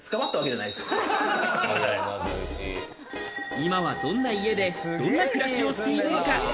今はどんな家でどんな暮らしをしているのか？